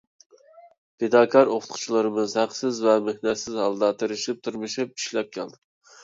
پىداكار ئوقۇتقۇچىلىرىمىز ھەقسىز ۋە مىننەتسىز ھالدا، تىرىشىپ-تىرمىشىپ ئىشلەپ كەلدى.